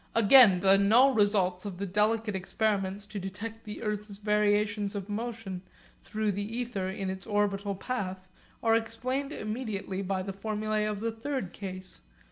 Again the null results of the delicate experiments to detect the earth's variations of motion through the ether in its orbital path are explained immediately by the formulae of the third case.